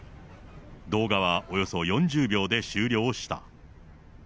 動画はおよそ４０秒で終了した。